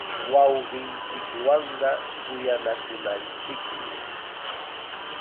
Wawqinchikwanqa kuyanakunanchikmi.